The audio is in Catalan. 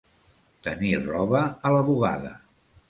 Tenir roba a la bugada.